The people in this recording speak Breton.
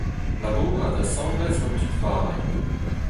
Labourat asambles gant tud varrek.